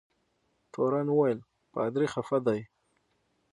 تورن وویل پادري خفه دی.